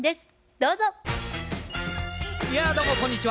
どうもこんにちは。